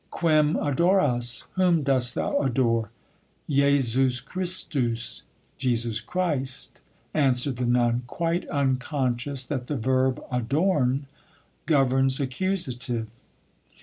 "Quem adoras?" (Whom dost thou adore?) "Jesus Christus" (Jesus Christ), answered the nun, quite unconscious that the verb adorn governs accusative.